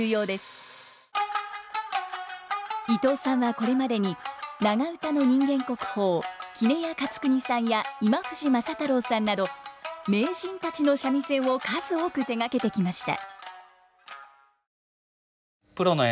伊藤さんはこれまでに長唄の人間国宝杵屋勝国さんや今藤政太郎さんなど名人たちの三味線を数多く手がけてきました。